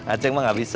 aceh mah nggak bisa